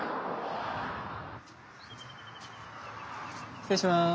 失礼します。